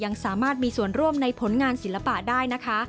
ยังสามารถมีส่วนร่วมในผลงานศิลปะได้นะคะ